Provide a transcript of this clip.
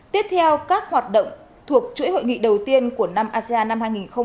tiếp theo các hoạt động thuộc chuỗi hội nghị đầu tiên của năm asean năm hai nghìn hai mươi